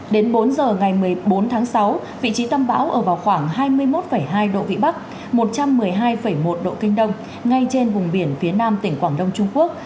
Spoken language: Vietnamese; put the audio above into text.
đến bốn giờ ngày một mươi bốn tháng sáu vị trí tâm bão ở vào khoảng hai mươi một hai độ vĩ bắc một trăm một mươi hai một độ kinh đông ngay trên vùng biển phía nam tỉnh quảng đông trung quốc